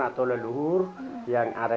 atau leluhur yang ada